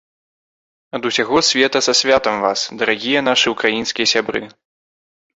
Ад усяго сэрца са святам вас, дарагія нашы ўкраінскія сябры!